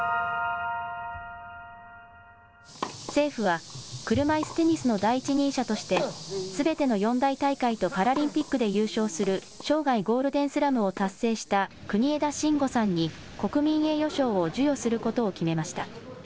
政府は車いすテニスの第一人者としてすべての四大大会とパラリンピックで優勝する生涯ゴールデンスラムを達成した国枝慎吾さんに国民栄誉賞を授与することを決めました。